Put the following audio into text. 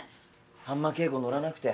あんま稽古のらなくて。